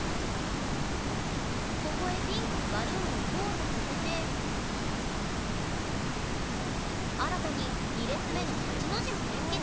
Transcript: そこへピンクのバルーンを交差させて新たに２列目の８の字も連結。